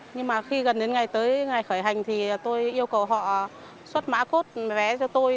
nhưng mà khi gần đến ngày tới ngày khởi hành thì tôi yêu cầu họ xuất mã cốt vé cho tôi